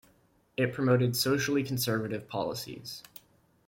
It promoted socially conservative policies.